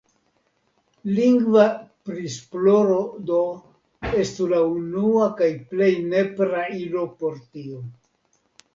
Lingva prisploro do estu la unua kaj plej nepra ilo por tio.